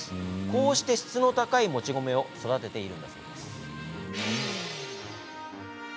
こうして質の高い餅米を育てているんです。